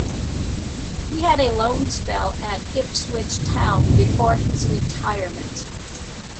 He had a loan spell at Ipswich Town before his retirement.